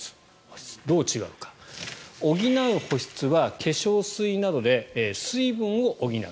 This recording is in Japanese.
どう違うのか補う保湿は化粧水などで水分を補う。